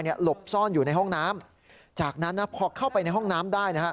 หลบซ่อนอยู่ในห้องน้ำจากนั้นพอเข้าไปในห้องน้ำได้นะฮะ